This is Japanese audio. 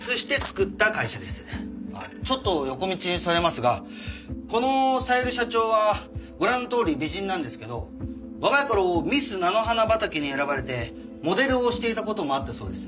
ちょっと横道にそれますがこの小百合社長はご覧のとおり美人なんですけど若い頃ミス菜の花畑に選ばれてモデルをしていた事もあったそうです。